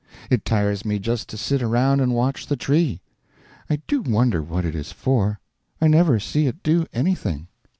It tires me just to sit around and watch the tree. I do wonder what it is for; I never see it do anything.